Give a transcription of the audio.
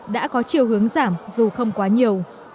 đã có chiều hướng giảm dù không quá nhiều